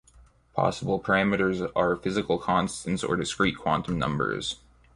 Possible parameters are physical constants or discrete quantum numbers.